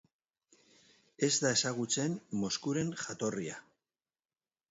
Ez da ezagutzen Moskuren jatorria.